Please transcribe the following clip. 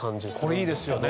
これいいですよね。